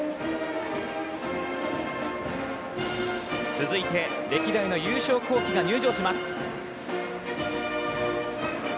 続いて歴代の優勝校旗が入場します。